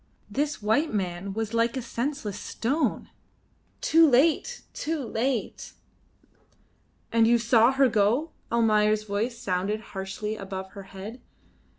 This white man was like a senseless stone. Too late! Too late! "And you saw her go?" Almayer's voice sounded harshly above her head.